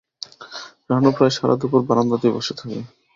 রানু প্রায় সারা দুপুর বারান্দাতেই বসে থাকে।